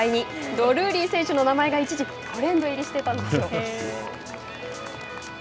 ドルーリー選手の名前が一時、トレンド入りしてたんです。